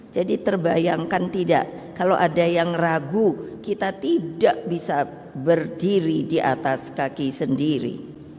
jadi terbayangkan tidak kalau ada yang ragu kita tidak bisa berdiri di atas kaki sendiri